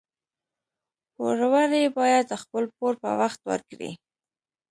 پوروړي باید خپل پور په وخت ورکړي